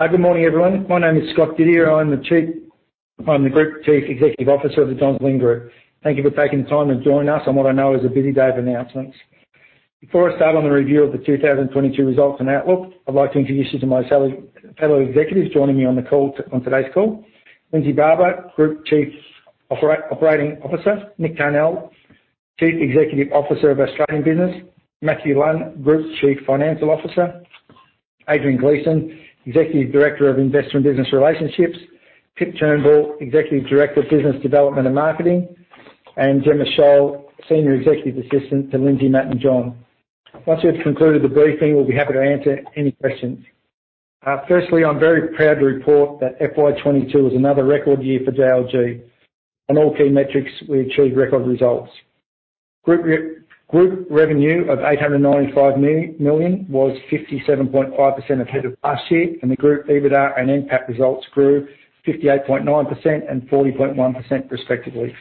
Hi, good morning, everyone. My name is Scott Didier. I'm the Group Chief Executive Officer of the Johns Lyng Group. Thank you for taking the time to join us on what I know is a busy day of announcements. Before I start on the review of the 2022 results and outlook, I'd like to introduce you to my fellow executives joining me on today's call. Lindsay Barber, Group Chief Operating Officer. Nick Carnell, Chief Executive Officer of Australian Business. Matthew Lunn, Group Chief Financial Officer. Adrian Gleeson, Executive Director of Investment Business Relationships. Pip Turnbull, Executive Director of Business Development and Marketing, and Gemma Sholl, Senior Executive Assistant to Lindsay, Matt, and John. Once we've concluded the briefing, we'll be happy to answer any questions. Firstly, I'm very proud to report that FY 2022 was another record year for JLG. On all key metrics, we achieved record results. Group revenue of 895 million was 57.5% ahead of last year, and the Group EBITDA and NPAT results grew 58.9% and 40.1% respectively.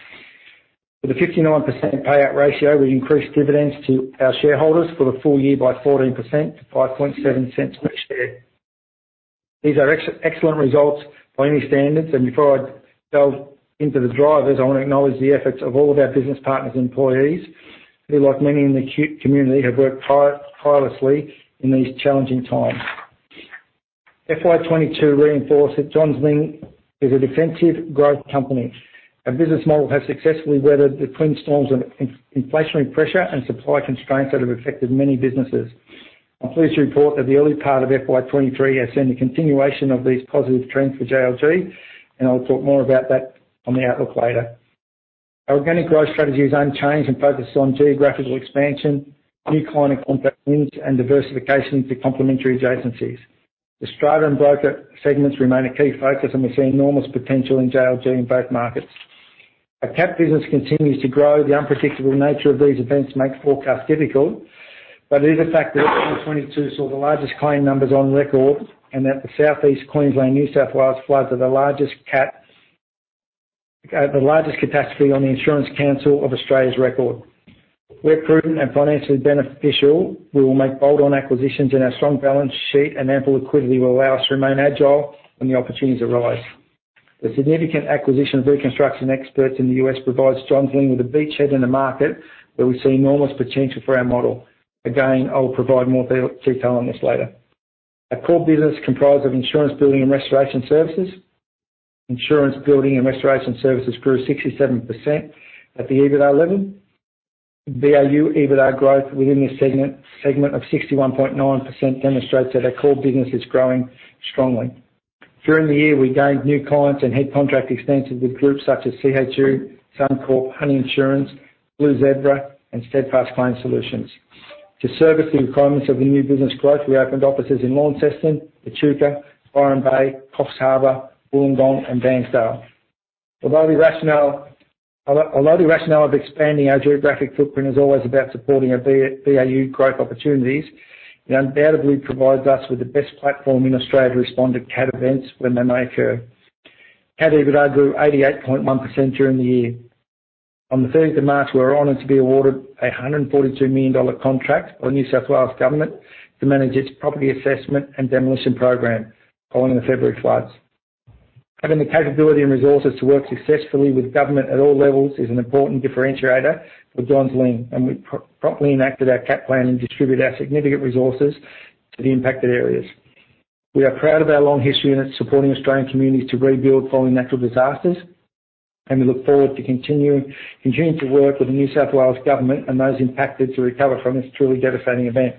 With a 59% payout ratio, we increased dividends to our shareholders for the full year by 14% to 0.057 per share. These are excellent results by any standards, and before I delve into the drivers, I wanna acknowledge the efforts of all of our business partners and employees, who like many in the community, have worked tirelessly in these challenging times. FY 2022 reinforced that Johns Lyng is a defensive growth company. Our business model has successfully weathered the twin storms of inflationary pressure and supply constraints that have affected many businesses. I'm pleased to report that the early part of FY 2023 has seen a continuation of these positive trends for JLG, and I'll talk more about that on the outlook later. Our organic growth strategy is unchanged and focuses on geographical expansion, new client and contract wins, and diversification into complementary adjacencies. The strata and broker segments remain a key focus, and we see enormous potential in JLG in both markets. Our CAT business continues to grow. The unpredictable nature of these events makes forecasts difficult, but it is a fact that 2022 saw the largest claim numbers on record and that the Southeast Queensland, New South Wales floods are the largest CAT, the largest catastrophe on the Insurance Council of Australia's record. Where prudent and financially beneficial, we will make bolt-on acquisitions, and our strong balance sheet and ample liquidity will allow us to remain agile when the opportunities arise. The significant acquisition of Reconstruction Experts in the U.S. provides Johns Lyng with a beachhead in the market where we see enormous potential for our model. Again, I will provide more detail on this later. Our core business comprises of insurance building and restoration services. Insurance building and restoration services grew 67% at the EBITDA level. BAU EBITDA growth within this segment of 61.9% demonstrates that our core business is growing strongly. During the year, we gained new clients and had contract extensions with groups such as CHU, Suncorp, Honey Insurance, Blue Zebra, and Steadfast Claims Solutions. To service the requirements of the new business growth, we opened offices in Launceston, Echuca, Byron Bay, Coffs Harbour, Wollongong, and Bairnsdale. Although the rationale of expanding our geographic footprint is always about supporting our BAU growth opportunities, it undoubtedly provides us with the best platform in Australia to respond to CAT events when they may occur. CAT EBITDA grew 88.1% during the year. On the thirteenth of March, we were honored to be awarded AUD 142 million contract by the New South Wales government to manage its property assessment and demolition program following the February floods. Having the capability and resources to work successfully with government at all levels is an important differentiator for Johns Lyng, and we promptly enacted our CAT plan and distributed our significant resources to the impacted areas. We are proud of our long history in supporting Australian communities to rebuild following natural disasters, and we look forward to continuing to work with the New South Wales government and those impacted to recover from this truly devastating event.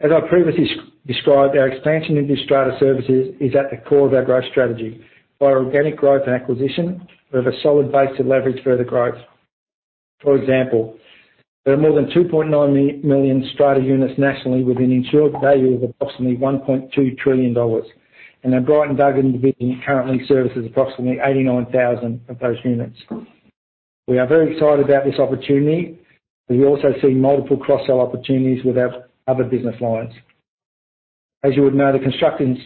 As I previously described, our expansion into strata services is at the core of our growth strategy. By organic growth and acquisition, we have a solid base to leverage further growth. For example, there are more than 2.9 million strata units nationally with an insured value of approximately 1.2 trillion dollars, and our Bright & Duggan division currently services approximately 89,000 of those units. We are very excited about this opportunity, and we also see multiple cross-sell opportunities with our other business lines. As you would know, the construction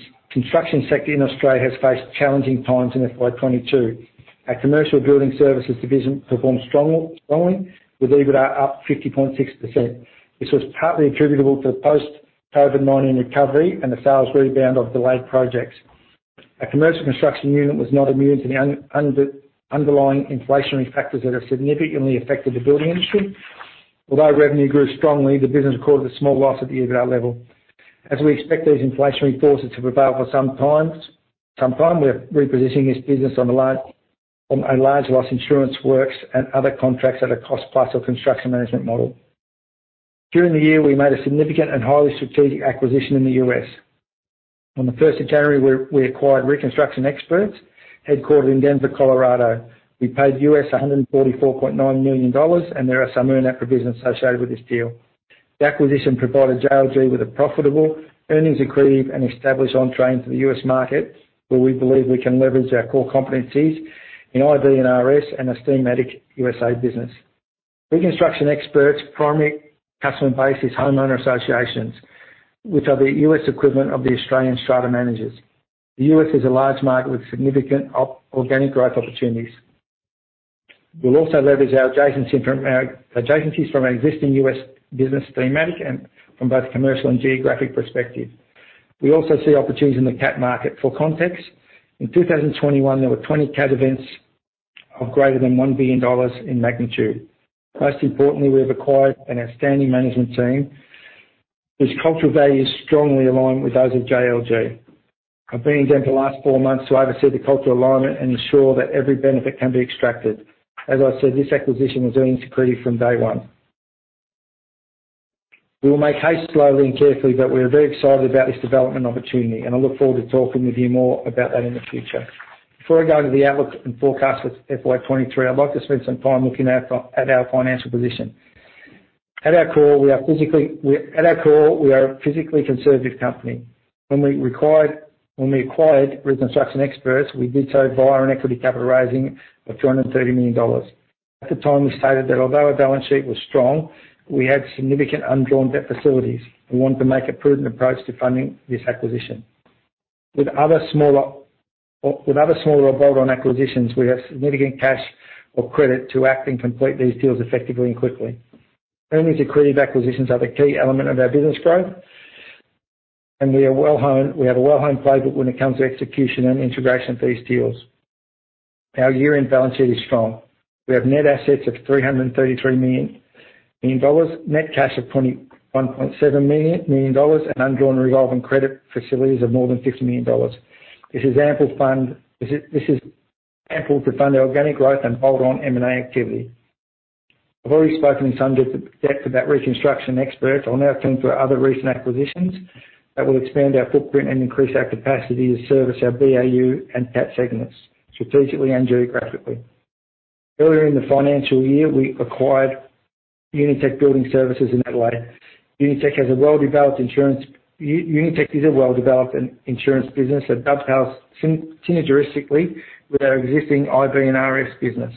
sector in Australia has faced challenging times in FY 2022. Our commercial building services division performed strongly with EBITA up 50.6%. This was partly attributable to post-COVID-19 recovery and the sales rebound of delayed projects. Our commercial construction unit was not immune to the underlying inflationary factors that have significantly affected the building industry. Although revenue grew strongly, the business recorded a small loss at the EBITA level. As we expect these inflationary forces to prevail for some time, we are repositioning this business on a large loss insurance works and other contracts at a cost plus or construction management model. During the year, we made a significant and highly strategic acquisition in the U.S. On the first of January, we acquired Reconstruction Experts, headquartered in Denver, Colorado. We paid $144 million, and there are some earn-out provisions associated with this deal. The acquisition provided JLG with a profitable, earnings accretive, and established on-ramp to the US market, where we believe we can leverage our core competencies in IB&RS and Steamatic USA business. Reconstruction Experts' primary customer base is homeowner associations, which are the US equivalent of the Australian strata managers. The US is a large market with significant organic growth opportunities. We'll also leverage our adjacencies from our existing US business thematically and from both commercial and geographic perspective. We also see opportunities in the CAT market. For context, in 2021, there were 20 CAT events of greater than $1 billion in magnitude. Most importantly, we have acquired an outstanding management team whose cultural values strongly align with those of JLG. I've been with them for the last 4 months to oversee the cultural alignment and ensure that every benefit can be extracted. As I said, this acquisition was earnings accretive from day one. We will make haste slowly and carefully, but we are very excited about this development opportunity, and I look forward to talking with you more about that in the future. Before I go into the outlook and forecast for FY 2023, I'd like to spend some time looking at our financial position. At our core, we are a physically conservative company. When we acquired Reconstruction Experts, we did so via an equity capital raising of AUD 230 million. At the time, we stated that although our balance sheet was strong, we had significant undrawn debt facilities. We wanted to make a prudent approach to funding this acquisition. With other smaller bolt-on acquisitions, we have significant cash or credit to act and complete these deals effectively and quickly. Earnings accretive acquisitions are the key element of our business growth, and we have a well-honed playbook when it comes to execution and integration for these deals. Our year-end balance sheet is strong. We have net assets of AUD 333 million, net cash of AUD 21.7 million, and undrawn revolving credit facilities of more than AUD 50 million. This is ample to fund our organic growth and bolt-on M&A activity. I've already spoken in some depth about Reconstruction Experts. I'll now turn to our other recent acquisitions that will expand our footprint and increase our capacity to service our BAU and CAT segments strategically and geographically. Earlier in the financial year, we acquired Unitech Building Services in that way. Unitech is a well-developed insurance business that dovetails synergistically with our existing IB&RS business.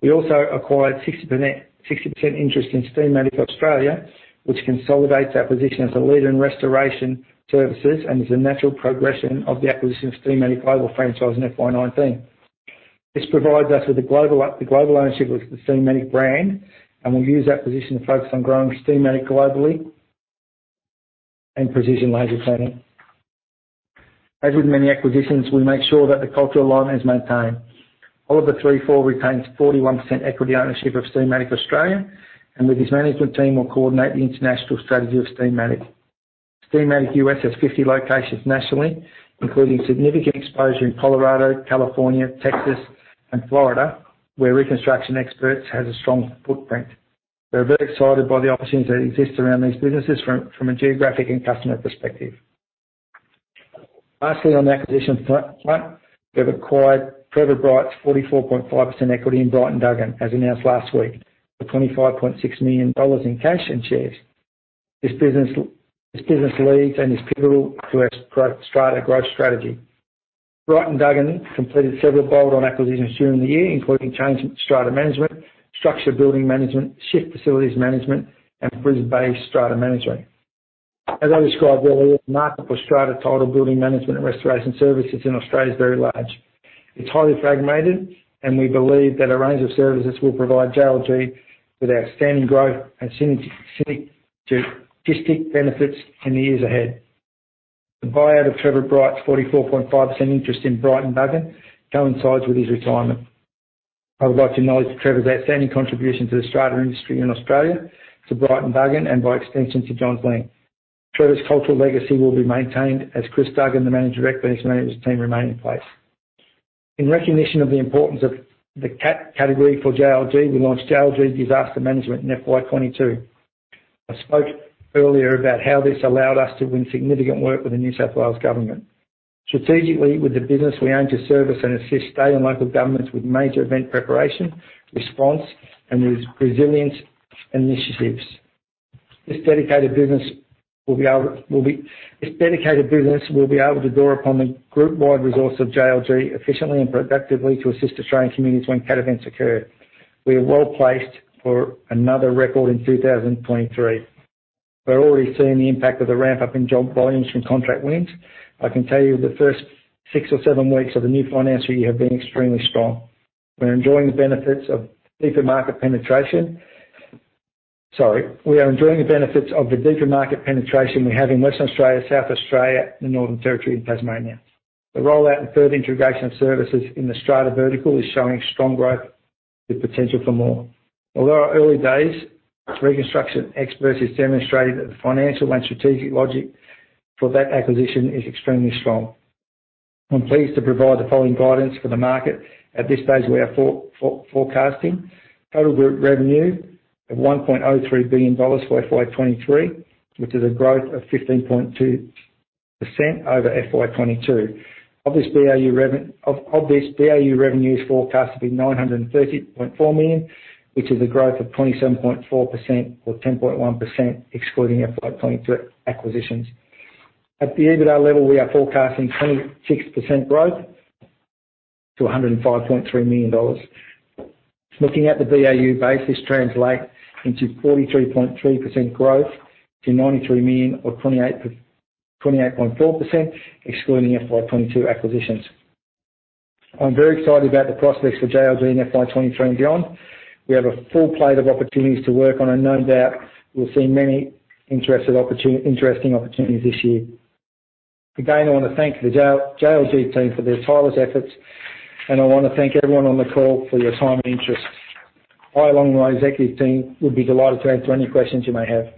We also acquired 60% interest in Steamatic Australia, which consolidates our position as a leader in restoration services and is a natural progression of the acquisition of Steamatic global franchise in FY 2019. This provides us with the global ownership of the Steamatic brand, and we'll use that position to focus on growing Steamatic globally and Precision Laser Cleaning. As with many acquisitions, we make sure that the cultural alignment is maintained. Oliver Threlfall retains 41% equity ownership of Steamatic Australia, and with his management team, will coordinate the international strategy of Steamatic. Steamatic US has 50 locations nationally, including significant exposure in Colorado, California, Texas, and Florida, where Reconstruction Experts has a strong footprint. We're very excited by the opportunities that exist around these businesses from a geographic and customer perspective. Lastly, on the acquisition front, we have acquired Trevor Bright's 44.5 equity in Bright & Duggan, as announced last week, for AUD 25.6 million in cash and shares. This business leads and is pivotal to our strata growth strategy. Bright & Duggan completed several bolt-on acquisitions during the year, including Change Strata Management, Structure Building Management, Shift Facilities Management, and BrisBay Strata Management. As I described earlier, the market for strata title building management and restoration services in Australia is very large. It's highly fragmented, and we believe that a range of services will provide JLG with outstanding growth and synergistic benefits in the years ahead. The buyout of Trevor Bright's 44.5% interest in Bright & Duggan coincides with his retirement. I would like to acknowledge Trevor's outstanding contribution to the strata industry in Australia, to Bright & Duggan, and by extension, to Johns Lyng. Trevor's cultural legacy will be maintained as Chris Duggan, the Managing Director, and his management team remain in place. In recognition of the importance of the CAT category for JLG, we launched JLG Disaster Management in FY 2022. I spoke earlier about how this allowed us to win significant work with the New South Wales government. Strategically, with the business, we aim to service and assist state and local governments with major event preparation, response, and resilience initiatives. This dedicated business will be able to draw upon the group-wide resource of JLG efficiently and productively to assist Australian communities when CAT events occur. We are well-placed for another record in 2023. We're already seeing the impact of the ramp-up in job volumes from contract wins. I can tell you the first six or seven weeks of the new financial year have been extremely strong. We're enjoying the benefits of deeper market penetration. Sorry. We are enjoying the benefits of the deeper market penetration we have in Western Australia, South Australia, the Northern Territory, and Tasmania. The rollout and further integration of services in the strata vertical is showing strong growth with potential for more. Although our early days, Reconstruction Experts has demonstrated that the financial and strategic logic for that acquisition is extremely strong. I'm pleased to provide the following guidance for the market. At this stage, we are forecasting total group revenue of 1.03 billion dollars for FY 2023, which is a growth of 15.2% over FY 2022. Of this BAU revenue is forecast to be 930.4 million, which is a growth of 27.4% or 10.1% excluding FY 2022 acquisitions. At the EBITDA level, we are forecasting 26% growth to 105.3 million dollars. Looking at the BAU base, this translates into 43.3% growth to 93 million or 28 per- 28.4%, excluding FY 2022 acquisitions. I'm very excited about the prospects for JLG in FY 2023 and beyond. We have a full plate of opportunities to work on, and no doubt we'll see many interesting opportunities this year. Again, I wanna thank the JLG team for their tireless efforts, and I wanna thank everyone on the call for your time and interest. I, along with my executive team, would be delighted to answer any questions you may have.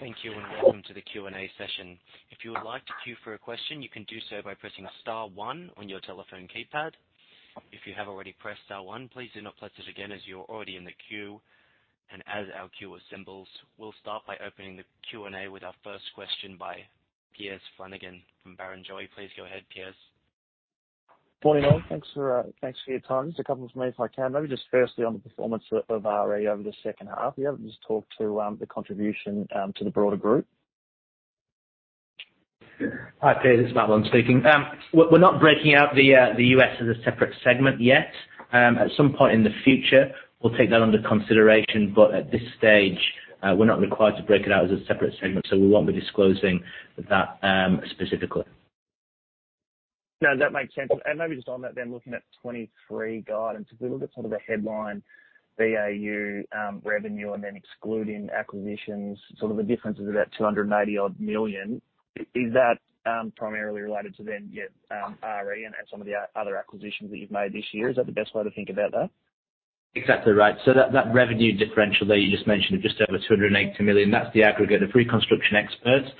Thank you, and welcome to the Q&A session. If you would like to queue for a question, you can do so by pressing star one on your telephone keypad. If you have already pressed star one, please do not press it again as you're already in the queue. As our queue assembles, we'll start by opening the Q&A with our first question by Piers Flanagan from Barrenjoey. Please go ahead, Piers. Morning, all. Thanks for your time. Just a couple from me, if I can. Maybe just firstly on the performance of RE over the second half, are you able just talk to the contribution to the broader group? Hi, Piers. It's Matt Lunn speaking. We're not breaking out the US as a separate segment yet. At some point in the future, we'll take that under consideration, but at this stage, we're not required to break it out as a separate segment, so we won't be disclosing that specifically. No, that makes sense. Maybe just on that then, looking at 2023 guidance, if we look at sort of the headline BAU revenue and then excluding acquisitions, sort of the difference is about 280-odd million. Is that primarily related to then, yeah, RE and then some of the other acquisitions that you've made this year? Is that the best way to think about that? Exactly right. That revenue differential that you just mentioned of just over 280 million, that's the aggregate of Reconstruction Experts,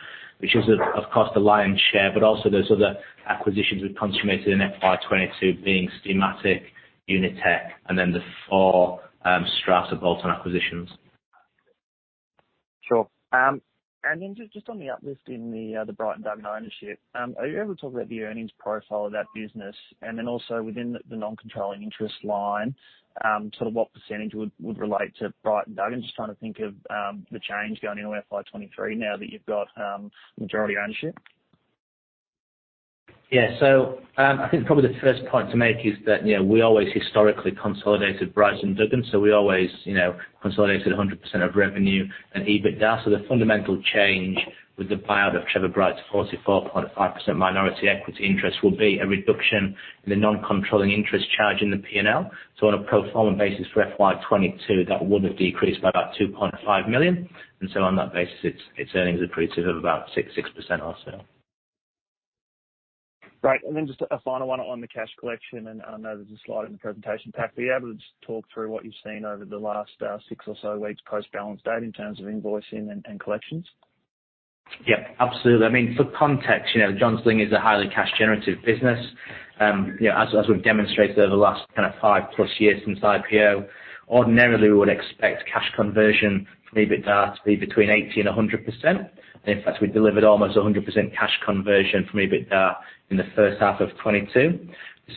which is, of course, the lion's share, but also those other acquisitions we've consummated in FY 2022 being Steamatic, Unitec, and then the four strata bolt-on acquisitions. Sure. Just on the uplift in the Bright & Duggan ownership, are you able to talk about the earnings profile of that business? Also within the non-controlling interest line, sort of what percentage would relate to Bright & Duggan? Just trying to think of the change going into FY 2023 now that you've got majority ownership. Yeah. I think probably the first point to make is that, you know, we always historically consolidated Bright & Duggan, so we always, you know, consolidated 100% of revenue and EBITDA. The fundamental change with the buyout of Trevor Bright's 44.5% minority equity interest will be a reduction in the non-controlling interest charge in the P&L. On a pro forma basis for FY 2022, that would have decreased by about 2.5 million. On that basis, its earnings accretive of about 6% or so. Great. Just a final one on the cash collection, and I know there's a slide in the presentation pack. Are you able to just talk through what you've seen over the last six or so weeks post-balance date in terms of invoicing and collections? Yeah, absolutely. I mean, for context, you know, Johns Lyng is a highly cash generative business. You know, as we've demonstrated over the last kind of 5+ years since IPO, ordinarily we would expect cash conversion from EBITDA to be between 80%-100%. In fact, we delivered almost 100% cash conversion from EBITDA in the first half of 2022.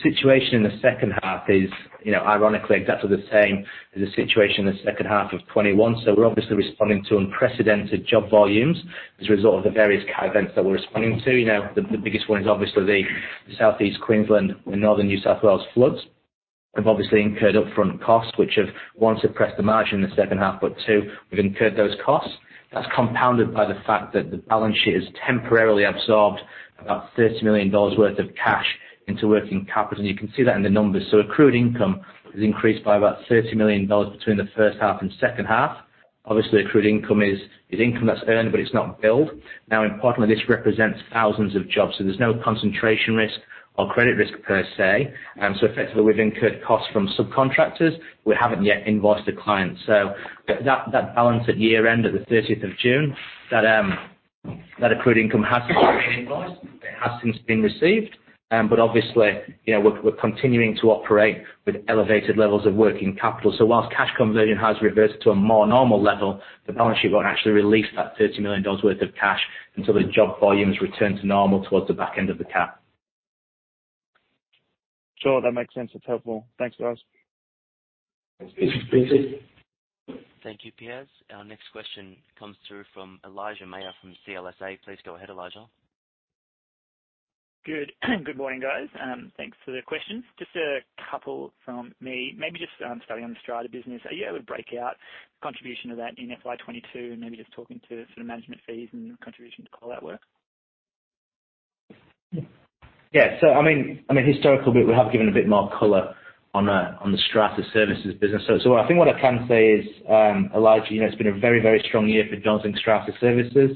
The situation in the second half is, you know, ironically exactly the same as the situation in the second half of 2021. We're obviously responding to unprecedented job volumes as a result of the various events that we're responding to. You know, the biggest one is obviously the Southeast Queensland and Northern New South Wales floods. We've obviously incurred upfront costs which have, one, suppressed the margin in the second half, but two, we've incurred those costs. That's compounded by the fact that the balance sheet has temporarily absorbed about 30 million dollars worth of cash into working capital, and you can see that in the numbers. Accrued income is increased by about 30 million dollars between the first half and second half. Obviously, accrued income is income that's earned, but it's not billed. Now, importantly, this represents thousands of jobs, so there's no concentration risk or credit risk per se. Effectively, we've incurred costs from subcontractors we haven't yet invoiced the client. That balance at year-end, at the thirtieth of June, that accrued income has been invoiced. It has since been received. Obviously, you know, we're continuing to operate with elevated levels of working capital. While cash conversion has reversed to a more normal level, the balance sheet won't actually release that 30 million dollars worth of cash until the job volumes return to normal towards the back end of the CAP. Sure, that makes sense. That's helpful. Thanks, guys. Thanks, Piers. Thank you, Piers. Our next question comes through from Elijah Mayr from CLSA. Please go ahead, Elijah. Good. Good morning, guys. Thanks for the questions. Just a couple from me. Maybe just starting on the Strata business. Are you able to break out contribution of that in FY 2022 and maybe just talking to sort of management fees and contribution to call out work? I mean, historical bit, we have given a bit more color on the Strata Services business. I think what I can say is, Elijah, you know, it's been a very strong year for Johns Lyng Strata Services.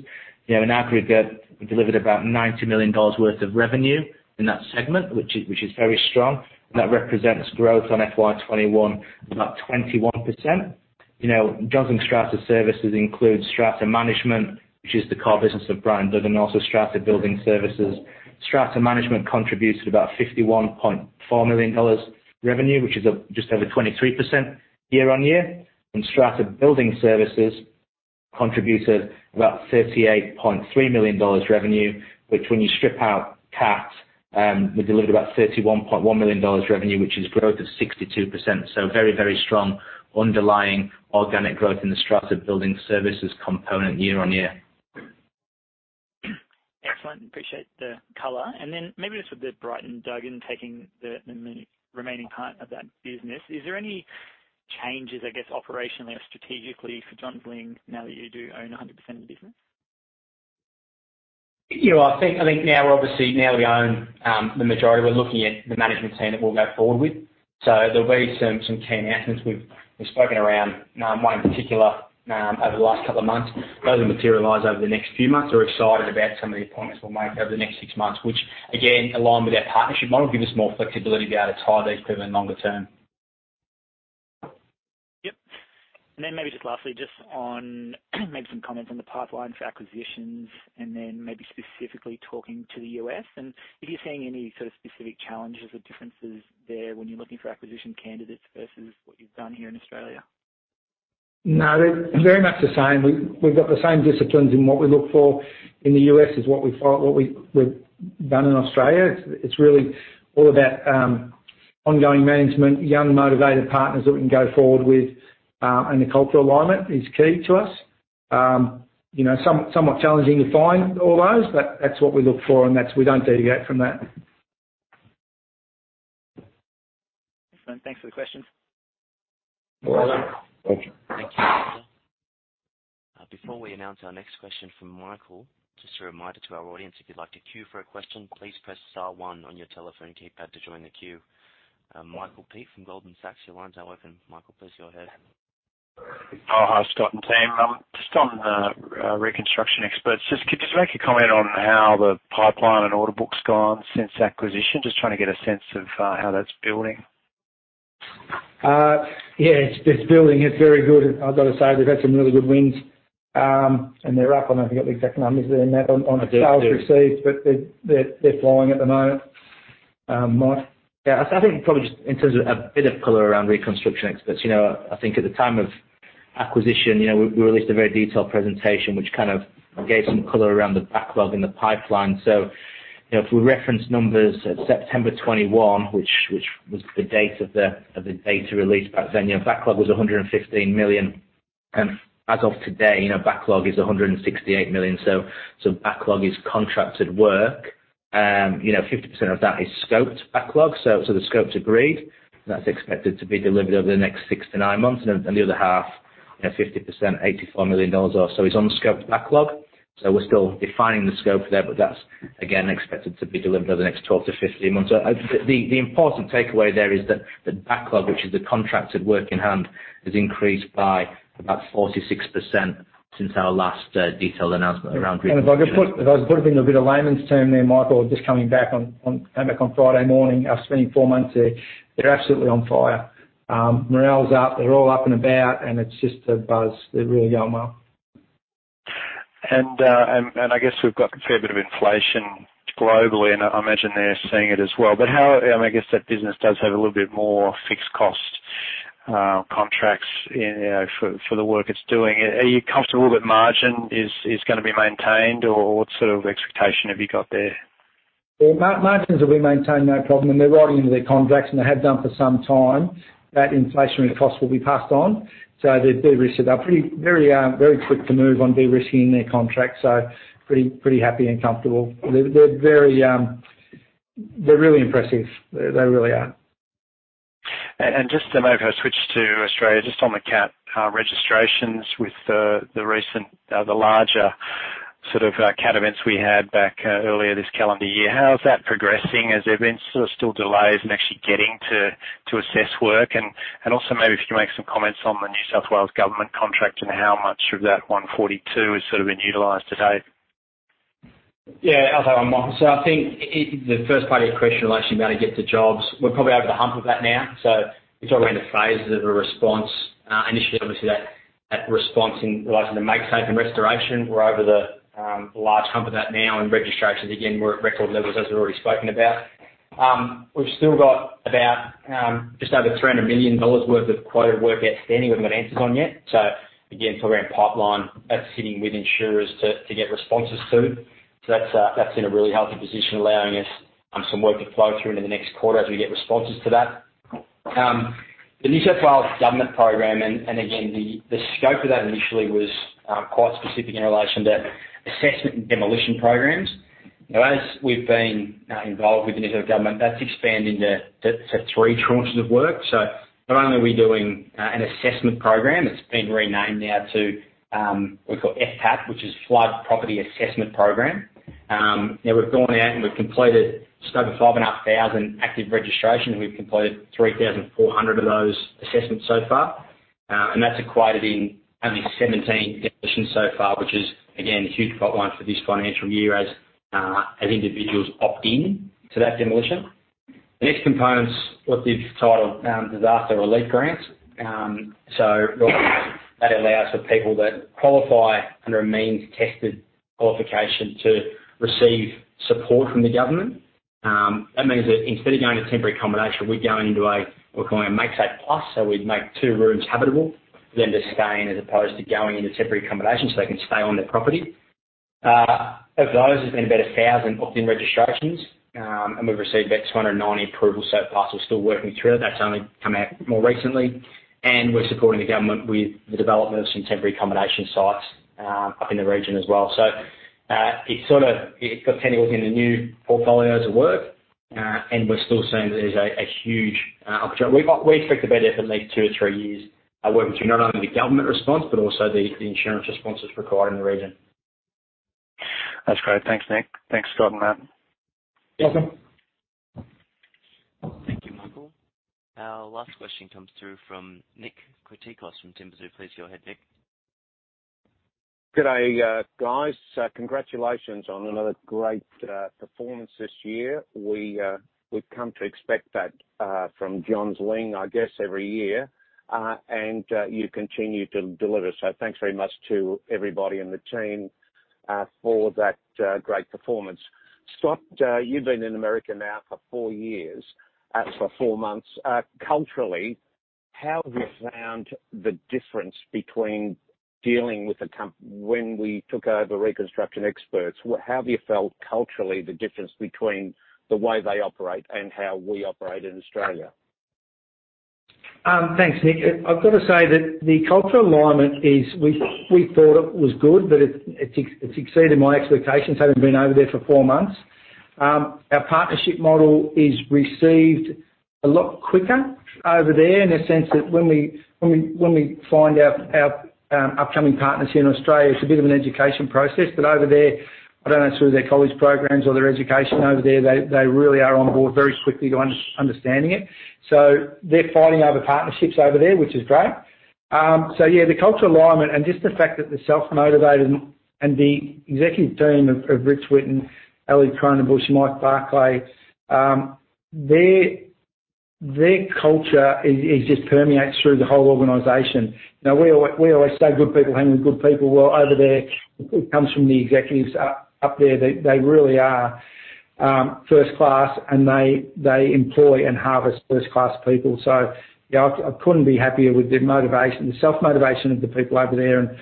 You know, in aggregate, we delivered about 90 million dollars worth of revenue in that segment, which is very strong. That represents growth on FY 2021 of about 21%. You know, Johns Lyng Strata Services includes Strata Management, which is the core business of Bright & Duggan, and also Strata Building Services. Strata Management contributes about 51.4 million dollars revenue, which is just over 23% year-on-year. Strata Building Services contributed about 38.3 million dollars revenue, which when you strip out CAT, we delivered about 31.1 million dollars revenue, which is growth of 62%. Very, very strong underlying organic growth in the Strata Building Services component year-on-year. Maybe just with the Bright & Duggan taking the remaining part of that business, is there any changes, I guess, operationally or strategically for Johns Lyng now that you do own 100% of the business? You know, I think now we own the majority, we're looking at the management team that we'll go forward with. There'll be some key announcements. We've spoken around one in particular over the last couple of months. Those will materialize over the next few months. We're excited about some of the appointments we'll make over the next six months, which again, along with our partnership model, give us more flexibility to be able to tie these people in longer term. Yep. Maybe just lastly, just on maybe some comments on the pipeline for acquisitions and then maybe specifically talking to the U.S., and if you're seeing any sort of specific challenges or differences there when you're looking for acquisition candidates versus what you've done here in Australia? No, they're very much the same. We've got the same disciplines in what we look for in the U.S. as what we've done in Australia. It's really all about ongoing management, young motivated partners that we can go forward with, and the cultural alignment is key to us. You know, somewhat challenging to find all those, but that's what we look for, and we don't deviate from that. Thanks for the questions. All right. Thank you. Thank you. Before we announce our next question from Michael, just a reminder to our audience, if you'd like to queue for a question, please press star one on your telephone keypad to join the queue. Michael Peet from Goldman Sachs, your line's now open. Michael, please go ahead. Oh, hi, Scott and team. Just on, Reconstruction Experts, just could you make a comment on how the pipeline and order book's gone since acquisition? Just trying to get a sense of, how that's building. Yeah, it's building. It's very good. I've got to say, we've had some really good wins, and they're up. I don't know if you've got the exact numbers there, Matt, on sales received, but they're flowing at the moment. Mike? Yeah, I think probably just in terms of a bit of color around Reconstruction Experts. You know, I think at the time of acquisition, you know, we released a very detailed presentation, which kind of gave some color around the backlog in the pipeline. You know, if we reference numbers at September 2021, which was the date of the data release back then, you know, backlog was $115 million. As of today, you know, backlog is $168 million. Backlog is contracted work. You know, 50% of that is scoped backlog. The scope's agreed. That's expected to be delivered over the next 6-9 months. The other half, you know, 50%, $84 million or so is unscoped backlog. We're still defining the scope there, but that's again expected to be delivered over the next 12-15 months. The important takeaway there is that the backlog, which is the contracted work in hand, has increased by about 46% since our last detailed announcement around Reconstruction. If I could put it into a bit of layman's term there, Michael, just coming back on Friday morning, after spending four months there. They're absolutely on fire. Morale's up. They're all up and about, and it's just a buzz. They're really going well. I guess we've got a fair bit of inflation globally, and I imagine they're seeing it as well. How, I mean, I guess that business does have a little bit more fixed cost contracts, you know, for the work it's doing. Are you comfortable that margin is gonna be maintained, or what sort of expectation have you got there? Well, margins will be maintained, no problem. They're writing into their contracts, and they have done for some time, that inflationary costs will be passed on. They're de-risked. They're pretty very quick to move on de-risking their contracts. Pretty happy and comfortable. They're very, they're really impressive. They really are. just to maybe switch to Australia, just on the CAT registrations with the recent, the larger sort of CAT events we had back earlier this calendar year. How is that progressing? Has there been sort of still delays in actually getting to assess work? also maybe if you can make some comments on the New South Wales Government contract and how much of that 142 has sort of been utilized to date. Yeah. I'll take that one, Michael. I think it, the first part of your question in relation to being able to get to jobs, we're probably over the hump of that now. It's all around the phases of a response initiative. Obviously, that response in relation to make safe and restoration. We're over the large hump of that now in registrations. Again, we're at record levels as we've already spoken about. We've still got about just over 300 million dollars worth of quoted work outstanding we haven't got answers on yet. Again, talking around pipeline, that's sitting with insurers to get responses to. That's in a really healthy position allowing us some work to flow through into the next quarter as we get responses to that. The New South Wales Government program, and again, the scope of that initially was quite specific in relation to assessment and demolition programs. Now, as we've been involved with the New South Wales Government, that's expanding to three tranches of work. Not only are we doing an assessment program, it's been renamed now to what we call FPAP, which is Flood Property Assessment Program. You know, we've gone out, and we've completed just over 5,500 active registrations. We've completed 3,400 of those assessments so far. And that's equated in only 17 demolitions so far, which is again, a huge pipeline for this financial year as individuals opt in to that demolition. The next component's what they've titled Disaster Relief Grants. That allows for people that qualify under a means-tested qualification to receive support from the government. That means that instead of going to temporary accommodation, we're going into a, what we call a make safe plus. We'd make two rooms habitable for them to stay in as opposed to going into temporary accommodation, so they can stay on their property. Of those, there's been about 1,000 opt-in registrations, and we've received about 290 approvals so far. We're still working through it. That's only come out more recently. We're supporting the government with the development of some temporary accommodation sites up in the region as well. It got tangled in the new portfolios of work, and we're still seeing that there's a huge opportunity. We expect to be there for at least 2-3 years, working through not only the government response, but also the insurance responses required in the region. That's great. Thanks, Nick. Thanks, Scott and Martin. Welcome. Thank you, Michael. Our last question comes through from Nick Kritikos from Timbersoo. Please go ahead, Nick. G'day, guys. Congratulations on another great performance this year. We've come to expect that from Johns Lyng, I guess, every year, and you continue to deliver. Thanks very much to everybody in the team for that great performance. Scott, you've been in America now for four months. Culturally, how have you found the difference when we took over Reconstruction Experts, how have you felt culturally the difference between the way they operate and how we operate in Australia? Thanks, Nick. I've got to say that the cultural alignment is, we thought it was good, but it it's exceeded my expectations having been over there for four months. Our partnership model is received a lot quicker over there in a sense that when we find out our upcoming partners here in Australia, it's a bit of an education process. But over there, I don't know, through their college programs or their education over there, they really are on board very quickly to understanding it. They're finding other partnerships over there, which is great. Yeah, the cultural alignment and just the fact that they're self-motivated and the executive team of Rich Whitten, Alison Kronebusch, Mike Barclay, their culture is just permeates through the whole organization. Now, we always say good people hang with good people. Well, over there, it comes from the executives up there. They really are first class, and they employ and harvest first-class people. Yeah, I couldn't be happier with the motivation, the self-motivation of the people over there and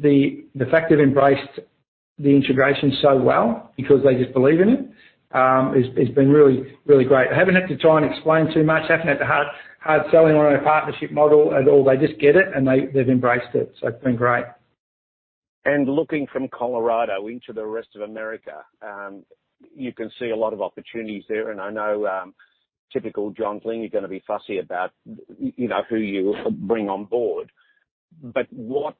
the fact they've embraced the integration so well because they just believe in it has been really great. I haven't had to try and explain too much. I haven't had to hard selling on our partnership model at all. They just get it, and they've embraced it. It's been great. Looking from Colorado into the rest of America, you can see a lot of opportunities there. I know, typical Johns Lyng, you're gonna be fussy about, you know, who you bring on board. But what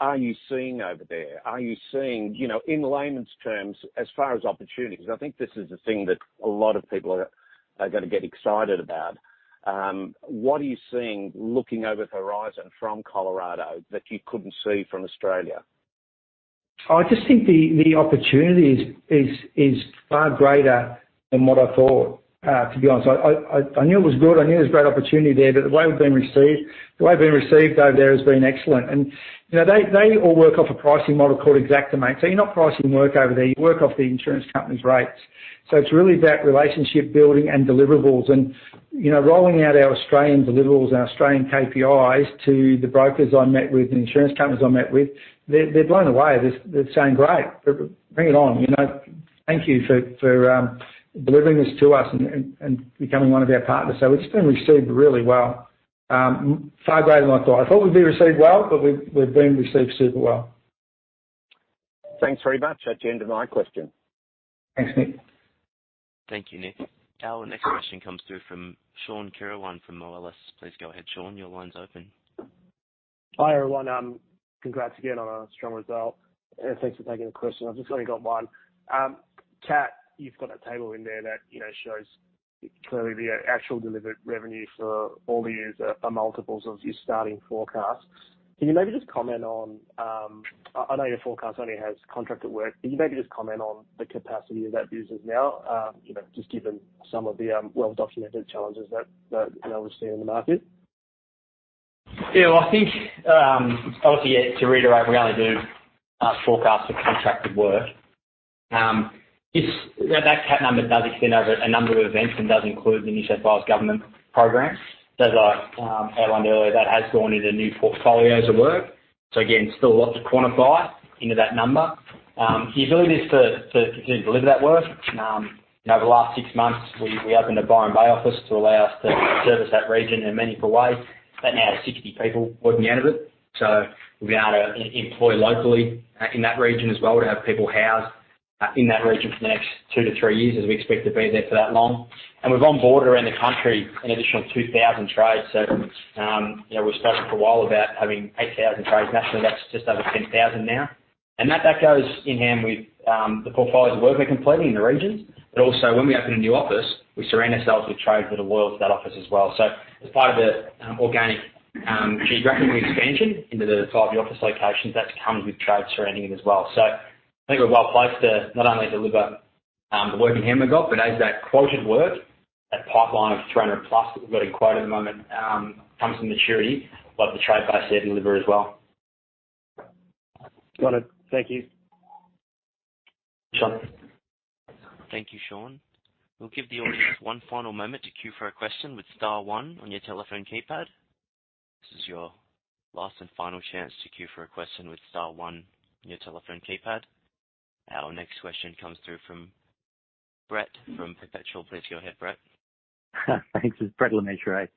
are you seeing over there? Are you seeing, you know, in layman's terms, as far as opportunities, I think this is the thing that a lot of people are gonna get excited about, what are you seeing looking over the horizon from Colorado that you couldn't see from Australia? I just think the opportunity is far greater than what I thought, to be honest. I knew it was good. I knew there was great opportunity there. The way we've been received over there has been excellent. You know, they all work off a pricing model called Xactimate. You're not pricing work over there. You work off the insurance company's rates. It's really that relationship building and deliverables and, you know, rolling out our Australian deliverables and Australian KPIs to the brokers I met with and insurance companies I met with, they're blown away. They're saying, "Great. Bring it on. You know, thank you for delivering this to us and becoming one of our partners." It's been received really well. Far greater than I thought. I thought we'd be received well, but we've been received super well. Thanks very much. That's the end of my question. Thanks, Nick. Thank you, Nick. Our next question comes through from Sean Kirwan from MLS. Please go ahead, Sean. Your line's open. Hi, everyone. Congrats again on a strong result. Thanks for taking the question. I've just only got one. Kat, you've got a table in there that, you know, shows clearly the actual delivered revenue for all the years are multiples of your starting forecasts. I know your forecast only has contracted work. Can you maybe just comment on the capacity of that business now, you know, just given some of the well-documented challenges that we're seeing in the market? Yeah, well, I think, obviously, to reiterate, we only do forecast for contracted work. Well, that CAT number does extend over a number of events and does include the New South Wales government programs. As I outlined earlier, that has gone into new portfolios of work. Again, still a lot to quantify into that number. The ability is to continue to deliver that work. Over the last 6 months, we opened a Byron Bay office to allow us to service that region in a meaningful way. That now has 60 people working out of it. We've been able to employ locally in that region as well. We have people housed in that region for the next 2-3 years as we expect to be there for that long. We've onboarded around the country an additional 2,000 trades. You know, we've spoken for a while about having 8,000 trades nationally. That's just over 10,000 now. That goes hand in hand with the portfolios of work we're completing in the regions. Also, when we open a new office, we surround ourselves with trades that are loyal to that office as well. So as part of the organic geographical expansion into the five new office locations, that's come with trades surrounding it as well. So I think we're well placed to not only deliver the work in hand we've got, but as that quoted work, that pipeline of 300+ that we've got in quote at the moment comes to maturity, we'll have the trade base there to deliver as well. Got it. Thank you. Sean. Thank you, Sean. We'll give the audience one final moment to queue for a question with star one on your telephone keypad. This is your last and final chance to queue for a question with star one on your telephone keypad. Our next question comes through from Brett from Perpetual. Please go ahead, Brett. Thanks. It's Brett Le Mesurier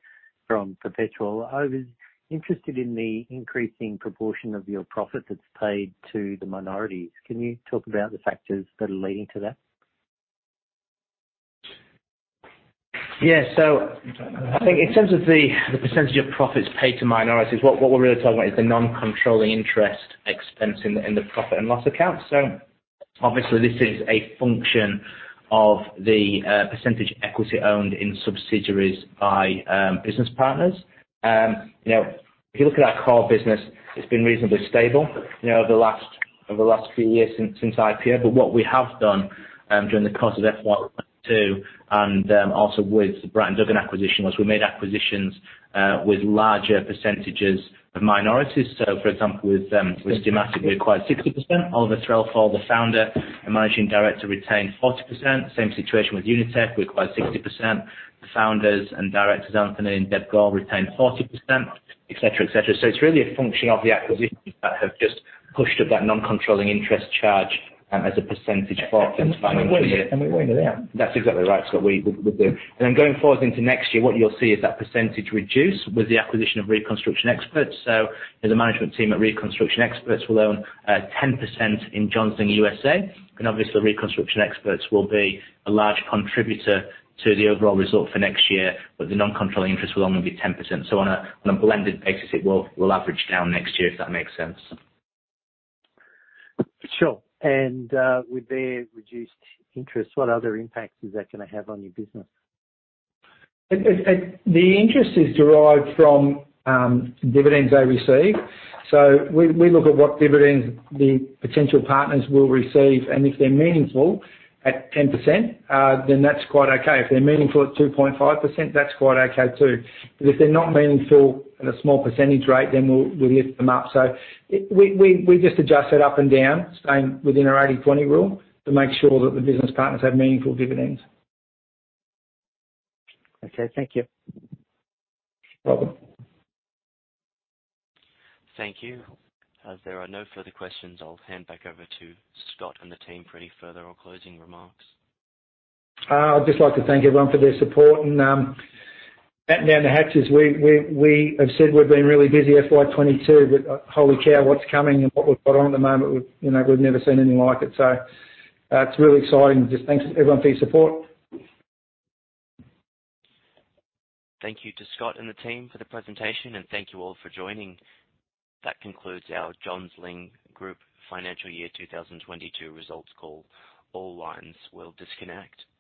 from Perpetual. I was interested in the increasing proportion of your profit that's paid to the minorities. Can you talk about the factors that are leading to that? Yeah. I think in terms of the percentage of profits paid to minorities, what we're really talking about is the non-controlling interest expense in the profit and loss account. Obviously, this is a function of the percentage equity owned in subsidiaries by business partners. You know, if you look at our core business, it's been reasonably stable, you know, over the last few years since IPO. What we have done during the course of FY 2022 and also with the Bright & Duggan acquisition was we made acquisitions with larger percentages of minorities. For example, with Steamatic, we acquired 60%. Oliver Threlfall, the founder and managing director, retained 40%. Same situation with Unitech. We acquired 60%. The founders and directors, Anthony and Deb Gore, retained 40%, et cetera, et cetera. It's really a function of the acquisitions that have just pushed up that non-controlling interest charge as a percentage for financial year. We own it outright. That's exactly right, Scott. We do. Going forwards into next year, what you'll see is that percentage reduce with the acquisition of Reconstruction Experts. There's a management team at Reconstruction Experts will own 10% in Johns Lyng USA. Obviously Reconstruction Experts will be a large contributor to the overall result for next year, but the non-controlling interest will only be 10%. On a blended basis it will average down next year, if that makes sense. Sure. With their reduced interest, what other impacts is that gonna have on your business? The interest is derived from dividends they receive. We look at what dividends the potential partners will receive and if they're meaningful at 10%, then that's quite okay. If they're meaningful at 2.5%, that's quite okay too. If they're not meaningful at a small percentage rate, then we'll lift them up. We just adjust that up and down, staying within our 80-20 rule to make sure that the business partners have meaningful dividends. Okay. Thank you. Welcome. Thank you. As there are no further questions, I'll hand back over to Scott and the team for any further or closing remarks. I'd just like to thank everyone for their support and batten down the hatches. We have said we've been really busy FY 2022, but holy cow, what's coming and what we've got on at the moment, you know, we've never seen anything like it. It's really exciting. Just thanks everyone for your support. Thank you to Scott and the team for the presentation and thank you all for joining. That concludes our Johns Lyng Group Financial Year 2022 results call. All lines will disconnect.